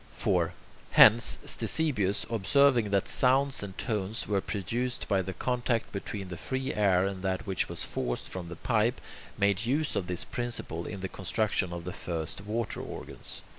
4. Hence, Ctesibius, observing that sounds and tones were produced by the contact between the free air and that which was forced from the pipe, made use of this principle in the construction of the first water organs.